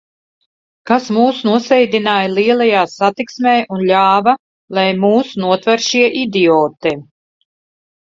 Kas mūs nosēdināja lielajā satiksmē un ļāva, lai mūs notver šie idioti?